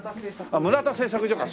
あっ村田製作所か。